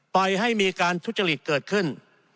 ไปให้มีการทุจริตเกิดขึ้น